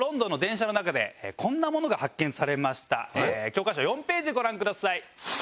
教科書４ページご覧ください。